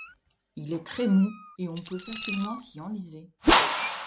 Il est très mou et on peut facilement s'y enliser.